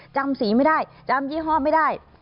จำสีไม่ได้จำยี่ห้อไม่ได้